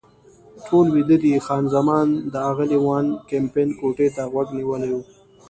ټول ویده دي، خان زمان د اغلې وان کمپن کوټې ته غوږ نیولی و.